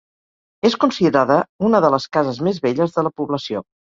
És considerada una de les cases més velles de la població.